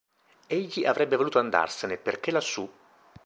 Egli avrebbe voluto andarsene, perché lassù.